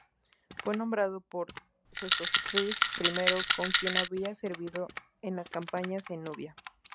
Fue nombrado por Sesostris I, con quien habría servido en las campañas en Nubia.